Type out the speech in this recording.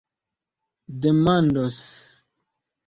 demandos